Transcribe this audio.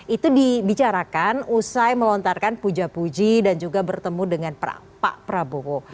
itu dibicarakan usai melontarkan puja puji dan juga bertemu dengan pak prabowo